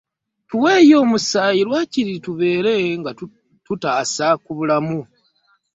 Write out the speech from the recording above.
Tuweeyo omusaayi waakiri tubeere nga tutaasa ku bulamu.